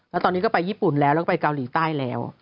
แล้วตอนนี้ก็ไปญี่ปุ่นแล้วแล้วก็ไปเกาหลีใต้แล้ว